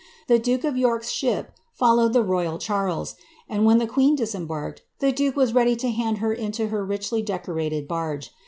The duke of York's ship followed the Royal Charles; and when the qneen disembarked, the duke was ready to hand her into her richly decorated barge.